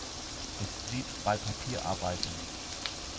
Es blieb bei Papierarbeiten.